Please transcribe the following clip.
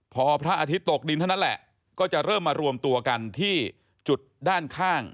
พอพระอาทิตย์ตกดินเท่านั้นแหละก็จะเริ่มมารวมตัวกันที่จุดด้านข้าง